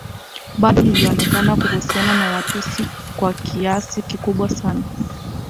Bado lilionekana kuhusiana na Watusi kwa kiasi kikubwa sana